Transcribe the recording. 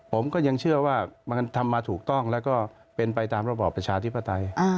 ผมก็ยังเชื่อว่ามันทำมาถูกต้องแล้วก็เป็นไปตามระบอบประชาธิปไตย